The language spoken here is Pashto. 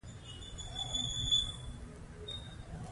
دلته د نویو کارزارونو ډیزاین او اجرا په عملي توګه پیلیږي.